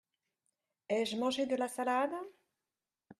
Ai-je mangé de la salade ?…